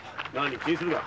気にするな。